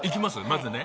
まずね。